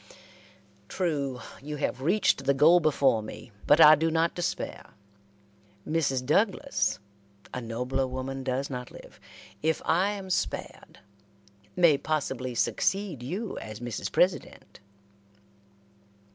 "True, you have reached the goal before me, but I do not despair. Mrs. Douglas a nobler woman does not live if I am spared, may possibly succeed you as Mrs. President."